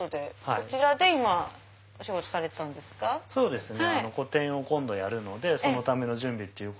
そうなんですね。